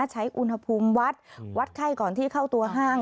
ใช้อุณหภูมิวัดวัดไข้ก่อนที่เข้าตัวห้าง